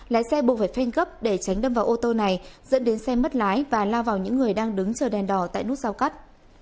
lái xe buộc phải phênh gấp để tránh đâm vào ô tô này dẫn đến xe mất lái và lao vào những người đang đứng chờ đèn đỏ tại nút giao cắt